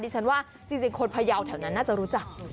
ฉันว่าจริงคนพยาวแถวนั้นน่าจะรู้จัก